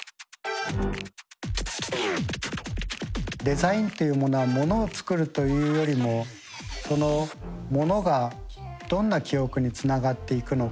デザインというものはものを作るというよりもそのものがどんな記憶につながっていくのか